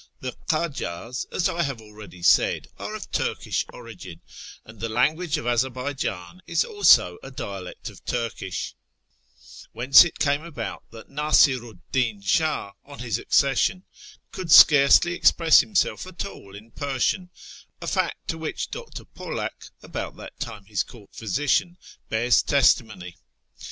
The Kajars, as I have already said, are of Turkish origin, and the language of Azarbaijan is also a dialect of Turkish ; whence it came about that Nasiru 'd Din Shah, on his accession, could scarcely express himself at all in Persian — a fact to which Dr. Polak, about that time his court physician, bears testimony.